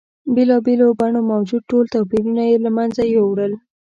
بېلا بېلو بڼو موجود ټول توپیرونه یې له منځه یوړل.